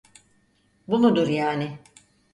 Bu mudur yani?